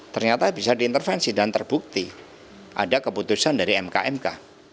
ternyata bisa diintervensi dan terbukti ada keputusan dari mkmk